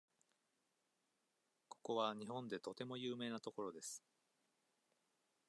ここは日本でとても有名な所です。